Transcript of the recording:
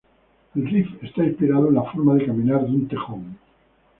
El riff está inspirado en la forma de caminar de un tejón.